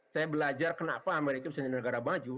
saya belajar kenapa amerika bisa jadi negara maju